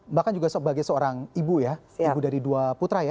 mbak kan juga sebagai seorang ibu ya ibu dari dua putra ya